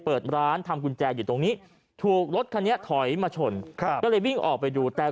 เปิดร้านทำกุญแจอยู่ตรงนี้ถูกรถคันนี้ถอยมาชนครับก็เลยวิ่งออกไปดูแต่